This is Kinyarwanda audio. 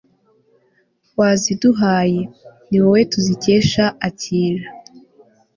waziduhaye. ni wowe tuzikesha akira